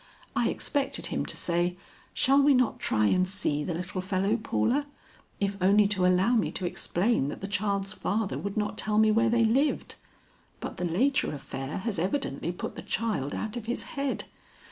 "I expected him to say, 'Shall we not try and see the little fellow, Paula?' if only to allow me to explain that the child's father would not tell me where they lived. But the later affair has evidently put the child out of his head.